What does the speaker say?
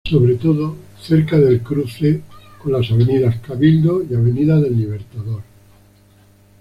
Sobre todo cerca del cruce con las Avenida Cabildo y Avenida del Libertador.